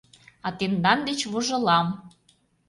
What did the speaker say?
А тендан деч вожылам!